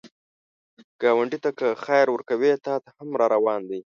ګاونډي ته که خیر ورکوې، تا ته هم راروان دی